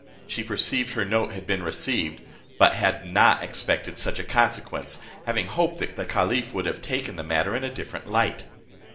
She perceived her note had been received, but had not expected such a consequence, having hoped that the caliph would have taken the matter in a different light.